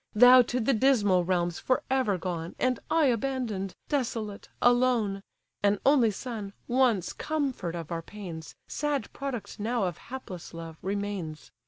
Thou to the dismal realms for ever gone! And I abandon'd, desolate, alone! An only son, once comfort of our pains, Sad product now of hapless love, remains!